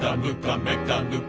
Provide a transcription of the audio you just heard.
「めかぬか」